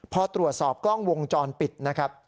พอตรวจสอบกล้องวงจรปิดนะครับ